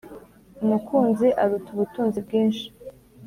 umukunzi aruta ubutunzi bwinshi